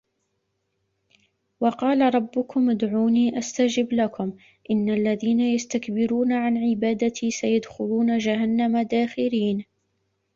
وَقالَ رَبُّكُمُ ادعوني أَستَجِب لَكُم إِنَّ الَّذينَ يَستَكبِرونَ عَن عِبادَتي سَيَدخُلونَ جَهَنَّمَ داخِرينَ